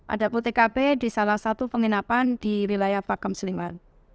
ada putih kb di salah satu penginapan di wilayah fakam sleman